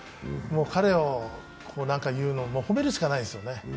彼を何か言うのは褒めるしかないですよね。